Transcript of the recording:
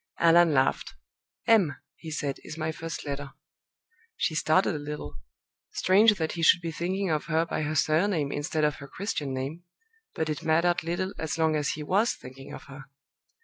Allan laughed. "M," he said, "is my first letter." She started a little. Strange that he should be thinking of her by her surname instead of her Christian name; but it mattered little as long as he was thinking of her.